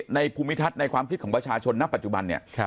ภูมิทัศน์ในความคิดของประชาชนณปัจจุบันเนี่ย